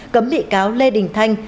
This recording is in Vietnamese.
cấm bị cáo lê đình thanh